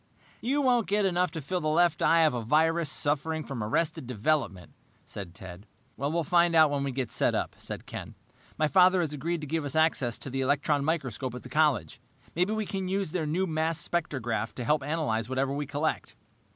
"You won't get enough to fill the left eye of a virus suffering from arrested development," said Ted. "We'll find out when we get set up," said Ken. "My father has agreed to give us access to the electron microscope at the college. Maybe we can use their new mass spectrograph to help analyze whatever we collect."